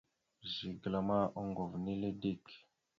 Zigəla ma oŋgov nele dik.